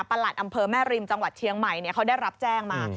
หลัดอำเภอแม่ริมจังหวัดเชียงใหม่เขาได้รับแจ้งมา